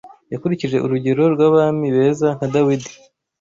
Yakurikije urugero rw’abami beza nka Dawidi